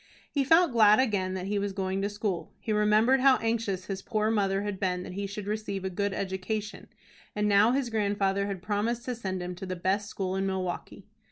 He felt glad again that he was going to school. He remembered how anxious his poor mother had been that he should receive a good education, and now his grandfather had promised to send him to the best school in Milwaukie.